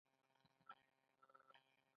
آیا د پښتنو په کلتور کې د استاد احترام ډیر نه دی؟